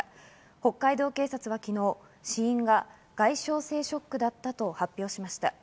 北海道警察は昨日、死因が外傷性ショックだったと発表しました。